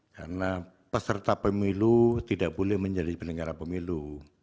karena peserta pemilu tidak boleh menjadi penyelenggara pemilu